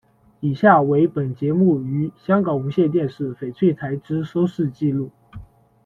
以下为本节目于香港无线电视翡翠台之收视纪录：